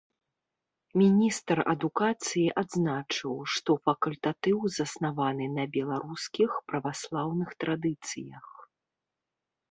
Міністр адукацыі адзначыў, што факультатыў заснаваны на беларускіх праваслаўных традыцыях.